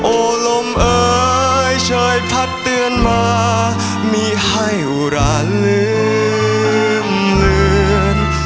โอ้ลมเอ๋ยช่อยพัดเตือนมามีให้อุระลืมลื่น